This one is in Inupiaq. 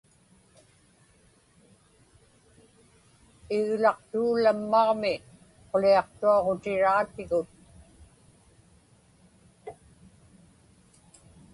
Iglaqtuulammaġmi quliaqtuaġutiraatigut.